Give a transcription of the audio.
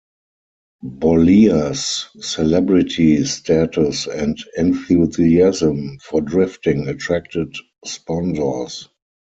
Bollea's celebrity status and enthusiasm for drifting attracted sponsors.